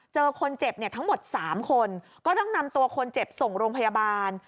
เจอคนเจ็บเนี่ยทั้งหมด๓คนก็ต้องนำตัวคนเจ็บส่งโรงพยาบาล